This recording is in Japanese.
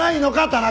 田中！